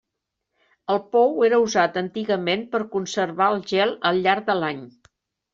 El pou era usat antigament per conservar el gel al llarg de l'any.